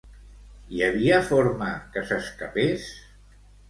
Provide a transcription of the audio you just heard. Hi havia forma que s'escapés?